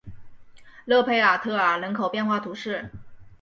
勒佩尔特尔人口变化图示